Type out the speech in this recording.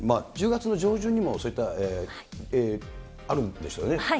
１０月の上旬にもそういったあるんでしたね。